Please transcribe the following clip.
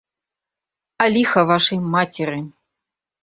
А ліха вашай мацеры!